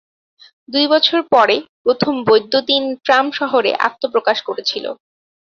দুই বছর পরে, প্রথম বৈদ্যুতিন ট্রাম শহরে আত্মপ্রকাশ করেছিল।